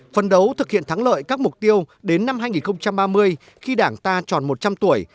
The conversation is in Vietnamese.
phấn đấu thực hiện thắng lợi các mục tiêu đến năm hai nghìn ba mươi khi đảng ta tròn một trăm linh tuổi